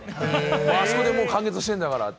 あそこでもう完結してるんだからって。